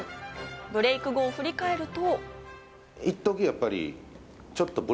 ブレイク後を振り返ると。